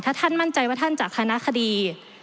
ถ้าท่านมั่นใจว่าท่านจากคณะคดี